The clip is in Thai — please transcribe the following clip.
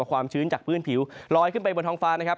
ว่าความชื้นจากพื้นผิวลอยขึ้นไปบนท้องฟ้า